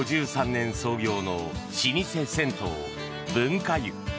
１９５３年創業の老舗銭湯文化湯。